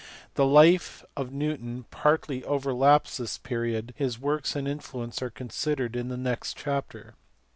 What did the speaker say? The life of Newton partly overlaps this period: his works and influence are considered in the next chapter.